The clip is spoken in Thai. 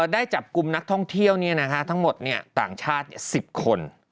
ได้จับกลุ่มนักท่องเที่ยวทั้งหมดต่างชาติ๑๐คน